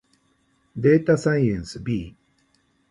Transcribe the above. データサイエンス B